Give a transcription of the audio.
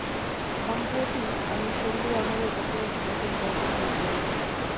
সম্প্রতি আমি সঙ্গীর অভাবে তত অধিক ব্যাকুল হয়ে পড়ি নি ।